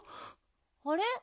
あれ？